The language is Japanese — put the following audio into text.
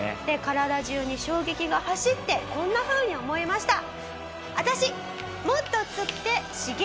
体中に衝撃が走ってこんなふうに思いました。